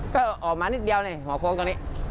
ก็ออกมานิดเดียวในหัวโค้งตรงนี้